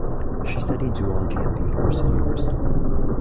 She studied Zoology at the University of Bristol.